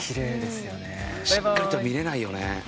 しっかりと見れないよね。